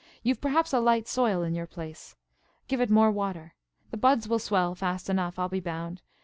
You've perhaps a light soil in your place. Give it more water. The buds will swell fast enough, I'll be bound.